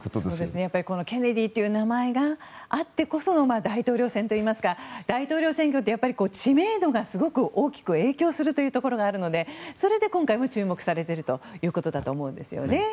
やっぱり、ケネディという名前があってこその大統領選といいますか大統領選挙って知名度が大きく影響するところがあるのでそれで今回も注目されているということだと思うんですよね。